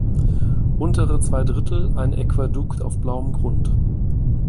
Untere zwei Drittel, ein Aquädukt auf blauem Grund.